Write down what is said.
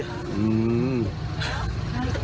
อือ